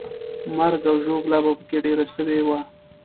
مرګ او ژوبله به پکې ډېره سوې وه.